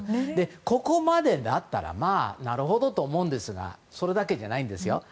ここまでだったらなるほどと思うんですがそれだけじゃないんですよ。